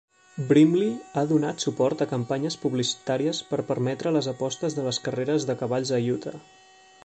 Brimley ha donat suport a campanyes publicitàries per permetre les apostes de les carreres de cavalls a Utah.